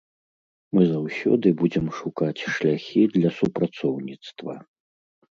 Мы заўсёды будзем шукаць шляхі для супрацоўніцтва.